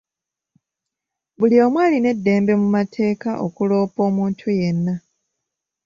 Buli omu alina eddembe mu mateeka okuloopa omuntu yenna.